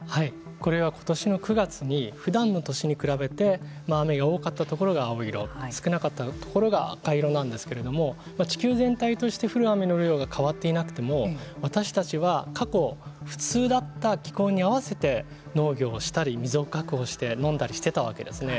これは今年の９月にふだんの年に比べて雨が多かったところが青色少なかった所が赤色なんですけれども地球全体として降る雨の量が変わっていなくても私たちは過去普通だった気候に合わせて農業をしたり、水を確保して飲んだりしていたわけですね。